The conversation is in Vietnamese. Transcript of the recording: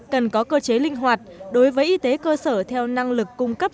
cần có cơ chế linh hoạt đối với y tế cơ sở theo năng lực cung cấp